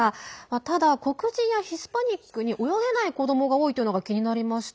ただ、黒人やヒスパニックに泳げない子どもが多いというのが気になりました。